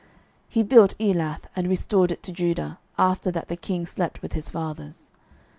12:014:022 He built Elath, and restored it to Judah, after that the king slept with his fathers.